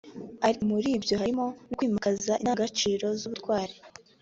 ariko muri byo harimo no kwimakaza idangagaciro z’ubutwari”